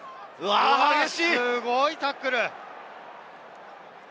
すごいタックル。